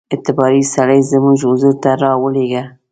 اعتباري سړی زموږ حضور ته را ولېږه.